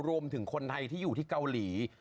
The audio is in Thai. รวมถึงคนไทยที่อยู่ที่เกาหลี